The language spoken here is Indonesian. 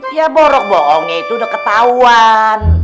ya borok bohongnya itu udah ketauan